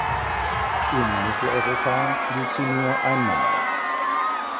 In Mitteleuropa blüht sie nur einmal.